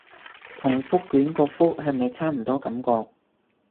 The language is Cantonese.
同覆卷個覆係咪差唔多感覺